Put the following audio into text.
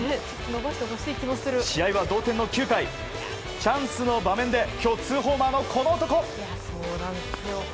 試合は同点の９回チャンスの場面で今日ツーホーマーのこの男。